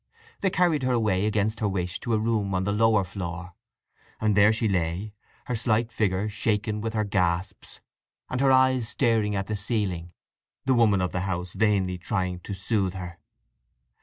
They carried her away against her wish to a room on the lower floor; and there she lay, her slight figure shaken with her gasps, and her eyes staring at the ceiling, the woman of the house vainly trying to soothe her.